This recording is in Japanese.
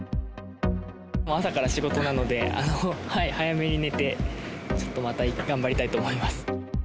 朝から仕事なので、早めに寝て、ちょっとまた頑張りたいと思います。